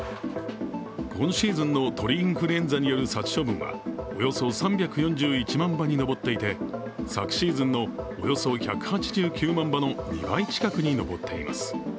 今シーズンの鳥インフルエンザによる殺処分はおよそ３４１万羽に上っていて昨シーズンのおよそ１８９万羽の２倍近くに上っています。